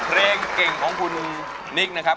เพลงเก่งของคุณนิกนะครับ